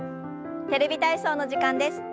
「テレビ体操」の時間です。